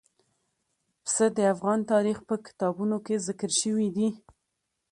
پسه د افغان تاریخ په کتابونو کې ذکر شوي دي.